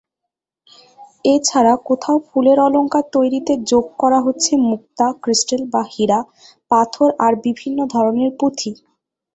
এছাড়া কোথাও ফুলের অলংকার তৈরিতে যোগ করা হচ্ছে মুক্তা, ক্রিস্টাল বা হীরা, পাথর আর বিভিন্ন ধরনের পুঁতি।